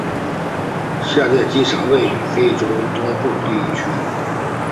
下列机场位于非洲东北部地区。